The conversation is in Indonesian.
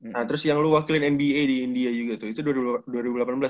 nah terus yang lu wakilin nba di india juga tuh itu dua ribu delapan belas